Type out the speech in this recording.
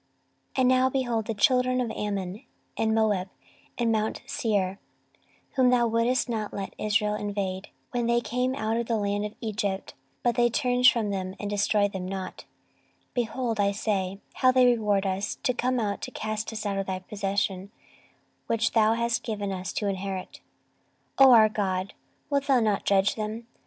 14:020:010 And now, behold, the children of Ammon and Moab and mount Seir, whom thou wouldest not let Israel invade, when they came out of the land of Egypt, but they turned from them, and destroyed them not; 14:020:011 Behold, I say, how they reward us, to come to cast us out of thy possession, which thou hast given us to inherit. 14:020:012 O our God, wilt thou not judge them?